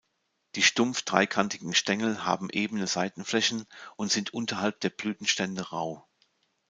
Die stumpf dreikantigen Stängel haben ebene Seitenflächen und sind unterhalb der Blütenstände rau.